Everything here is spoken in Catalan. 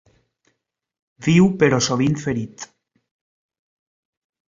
Viu però sovint ferit.